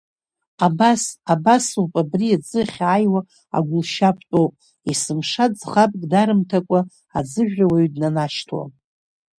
Абас, абас ауп, абри аӡы ахьааиуа агәылшьап тәоуп, есымша ӡӷабк дарымҭакәа аӡыжәра уаҩ днанашьҭуам.